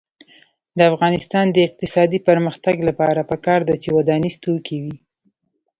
د افغانستان د اقتصادي پرمختګ لپاره پکار ده چې ودانیز توکي وي.